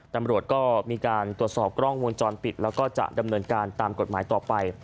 ตำรวจก็มีการตรวจสอบกล้องวงจรปิดแล้วก็จะดำเนินการตามกฎหมายต่อไป